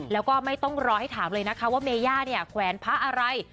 แล้วก็ไม่ต้องรอให้ถามเลยนะคะว่าเมย่าเนี่ยแขวนพระอะไร